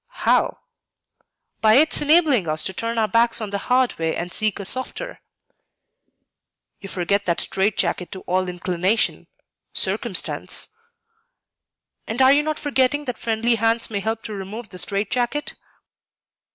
"How?" "By its enabling us to turn our backs on the hard way and seek a softer." "You forget that strait jacket to all inclination, circumstance." "And are you not forgetting that friendly hands may help to remove the strait jacket?"